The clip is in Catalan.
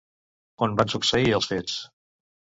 On van succeir els fets?